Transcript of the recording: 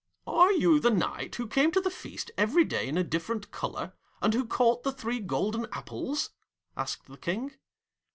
'Are you the Knight who came to the feast every day in a different colour, and who caught the three golden apples?' asked the King.